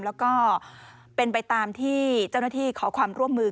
แล้วก็เป็นไปตามที่เจ้าหน้าที่ขอความร่วมมือ